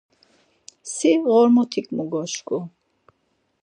Si ğormotik mogoşku.